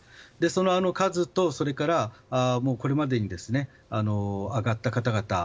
その数とこれまでに上がった方々